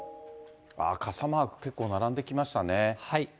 傘マーク、結構並んできましたね。